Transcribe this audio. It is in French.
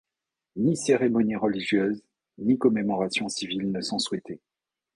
Ni cérémonies religieuses, ni commémorations civiles ne sont souhaitées.